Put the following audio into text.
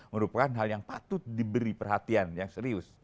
merupakan hal yang patut diberi perhatian yang serius